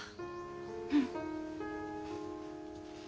うん。